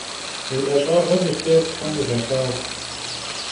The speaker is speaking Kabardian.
Vui 'eş'ağem yi xhêr them vuiğelhağu!